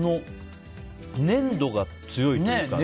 粘度が強いというか。